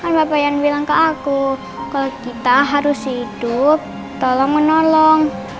kan bapak yang bilang ke aku kalau kita harus hidup tolong menolong